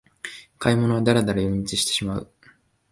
買い物はダラダラ寄り道してしまう